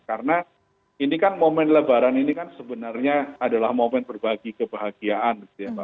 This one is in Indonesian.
karena ini kan momen lebaran ini kan sebenarnya adalah momen berbagi kebahagiaan